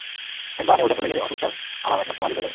একবার নেউলটা চলে গেলে, অশোক স্যার আমার একমাত্র মালিক হয়ে যাবে।